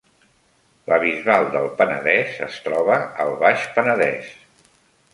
La Bisbal del Penedès es troba al Baix Penedès